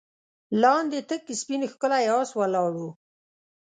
لاندې تک سپين ښکلی آس ولاړ و.